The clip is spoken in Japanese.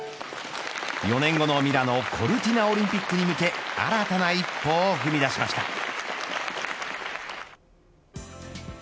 ４年後のミラノ・コルティナオリンピックへ向け新たな一歩を踏み出しました。